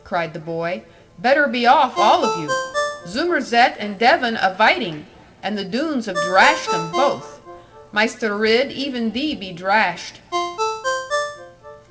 cried the boy; 'better be off all of you. Zoomerzett and Devon a vighting; and the Doones have drashed 'em both. Maister Ridd, even thee be drashed.'